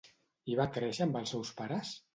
I va créixer amb els seus pares?